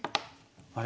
あれ？